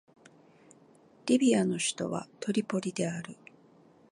リビアの首都はトリポリである